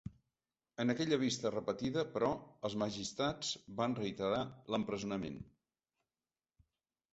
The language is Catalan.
En aquella vista repetida, però, els magistrats van reiterar l’empresonament.